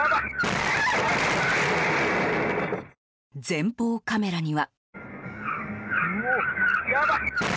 前方カメラには。